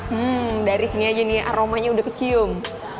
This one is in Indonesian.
hmm dari sini aja nih aromanya udah kecium